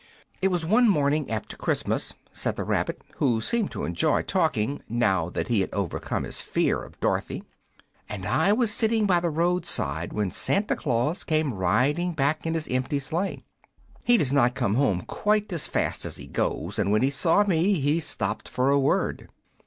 "It was one morning after Christmas," said the rabbit, who seemed to enjoy talking, now that he had overcome his fear of Dorothy, "and I was sitting by the road side when Santa Claus came riding back in his empty sleigh. He does not come home quite so fast as he goes, and when he saw me he stopped for a word.